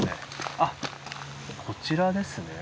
あっこちらですね。